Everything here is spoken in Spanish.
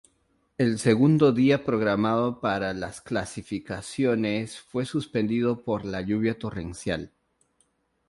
El segundo día programado para las clasificaciones fue suspendido por la lluvia torrencial.